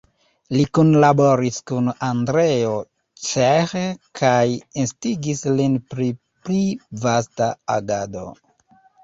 Li kunlaboris kun Andreo Cseh kaj instigis lin pri pli vasta agado.